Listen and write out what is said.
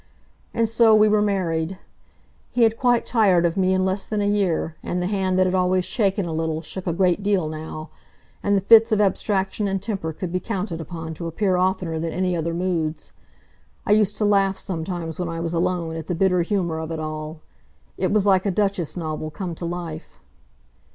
And so we were married. He had quite tired of me in less than a year, and the hand that had always shaken a little shook a great deal now, and the fits of abstraction and temper could be counted upon to appear oftener than any other moods. I used to laugh, sometimes, when I was alone, at the bitter humor of it all. It was like a Duchess novel come to life.